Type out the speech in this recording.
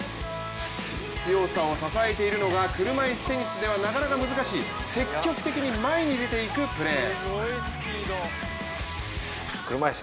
強さを支えているのが車いすテニスではなかなか難しい積極的に前に出て行くプレー。